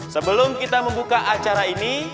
sebelum kita membuka acara ini